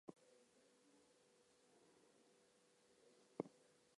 The most powerful folk figure is the Ankou or the "Reaper of Death".